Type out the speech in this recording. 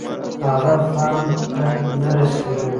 هغه فهم ته نه رسېږي.